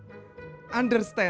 ih bukan idonat tapi